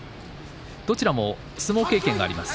どちらも相撲経験があります。